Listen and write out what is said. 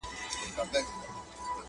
امیر ږغ کړه ویل ستا دي هم په یاد وي!!